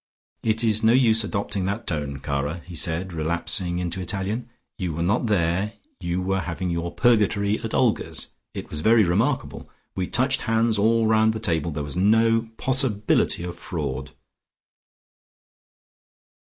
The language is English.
"It is no use adopting that tone, cara," he said, relapsing into Italian. "You were not there; you were having your purgatory at Olga's. It was very remarkable. We touched hands all round the table; there was no possibility of fraud."